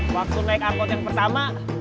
waktu naik angkot yang pertama